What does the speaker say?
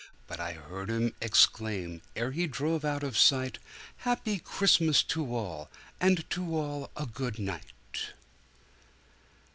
But I heard him exclaim, ere he drove out of sight, "Happy Christmas to all, and to all a good night."